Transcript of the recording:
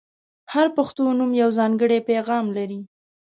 • هر پښتو نوم یو ځانګړی پیغام لري.